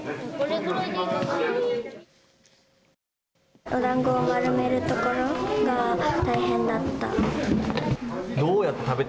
お団子を丸めるところが大変だった。